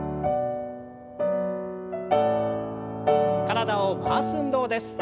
体を回す運動です。